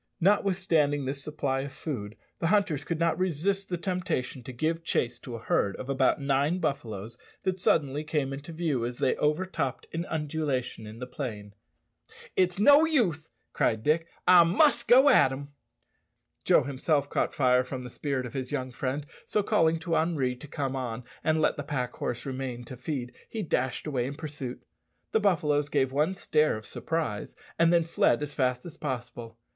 Notwithstanding this supply of food, the hunters could not resist the temptation to give chase to a herd of about nine buffaloes that suddenly came into view as they overtopped an undulation in the plain. "It's no use," cried Dick, "I must go at them!" Joe himself caught fire from the spirit of his young friend, so calling to Henri to come on and let the pack horse remain to feed, he dashed away in pursuit. The buffaloes gave one stare of surprise, and then fled as fast as possible.